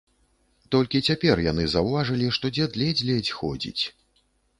Толькі цяпер яны заўважылі, што дзед ледзь-ледзь ходзіць.